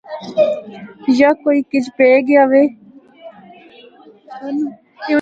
یا کوئی کجھ پئے گیا وے۔